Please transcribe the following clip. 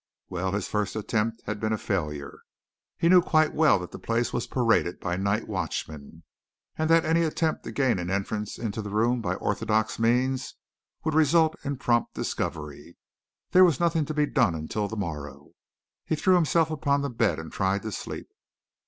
Well, his first attempt had been a failure. He knew quite well that the place was paraded by night watchmen, and that any attempt to gain an entrance into the room by orthodox means would result in prompt discovery. There was nothing to be done until the morrow. He threw himself upon the bed and tried to sleep.